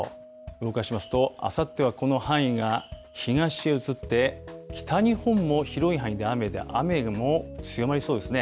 動かしますと、あさってはこの範囲が東へ移って、北日本も広い範囲で雨で、雨も強まりそうですね。